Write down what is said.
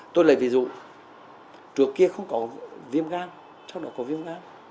tôi lấy ví dụ trước kia không có viêm gan sau đó có viêm gan